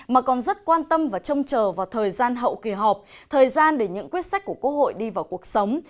mà còn rất quan tâm và trông chờ vào thời gian hậu kỳ họp thời gian để những quyết sách của quốc hội đi vào cuộc sống